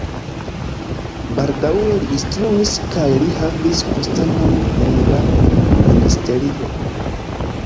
Baldaŭe li instruis kaj li havis postenon en la ministerio.